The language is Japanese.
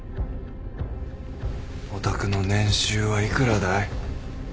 お宅の年収は幾らだい？